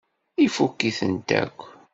Ifukk-itent akk.